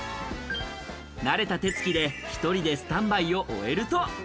慣れた手つきで１人でスタンバイを終えると。